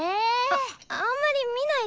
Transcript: ああんまり見ないでっ！